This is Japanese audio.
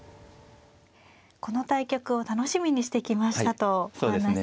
この対局を楽しみにしてきましたとお話しされていました。